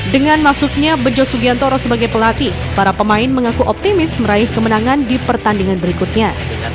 dengan masuknya bejo sugiantoro sebagai pelatih para pemain mengaku optimis meraih kemenangan di pertandingan berikutnya